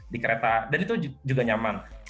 di kereta dan itu juga nyaman